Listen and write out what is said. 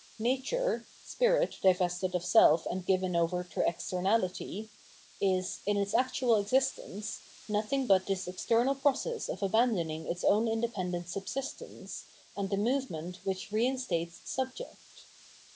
Nature — Spirit divested of self and given over to externality — is, in its actual existence, nothing but this eternal process of abandoning its own indepen dent subsistence, and the movement which reinstates Subject.